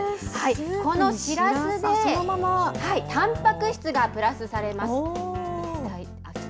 このしらすで、たんぱく質がプラスされます。